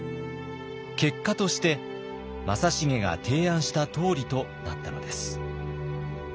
結果として正成が提案したとおりとなったのです。